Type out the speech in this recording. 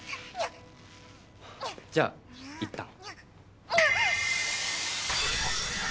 じゃあいったん。